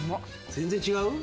全然違う？